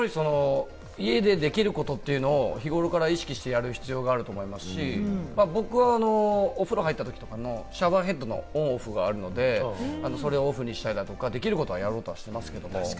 家でできることというのを日頃から意識してやる必要があると思いますし、僕はお風呂入ったときとかのシャワーヘッドのオン・オフがあるので、それをオフにしたりだとか、できることはやろうとはしてますけれど。